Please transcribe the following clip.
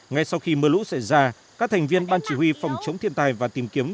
ngay sau khi mưa lũ xảy ra các thành viên ban chỉ huy phòng chống thiên tai và tìm kiếm